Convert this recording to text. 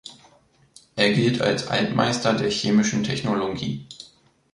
Er gilt als Altmeister der chemischen Technologie.